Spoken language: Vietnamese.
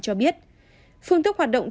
cho biết phương tức hoạt động